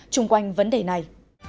trung quanh vấn đề này